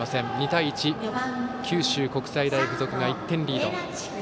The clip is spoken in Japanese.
２対１、九州国際大付属が１点リード。